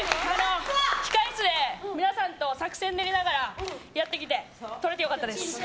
控室で皆さんと作戦を練りながらやってきてとれてよかったです。